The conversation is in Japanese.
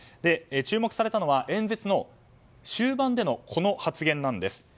注目されたのは演説の終盤でのこの発言です。